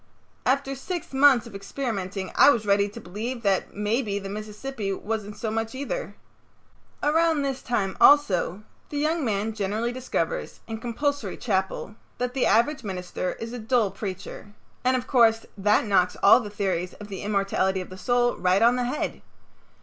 After six months of experimenting I was ready to believe that maybe the Mississippi wasn't so much either. Romance seemed pretty doubtful stuff. Around this time, also, the young man generally discovers, in compulsory chapel, that the average minister is a dull preacher; and of course that knocks all the theories of the immortality of the soul right on the head.